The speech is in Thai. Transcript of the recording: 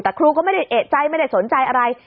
แต่ครูก็ไม่ได้เอกใจไม่ได้สนใจอะไร